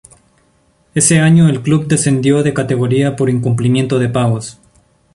Ese año el club descendió de categoría por incumplimiento de pagos.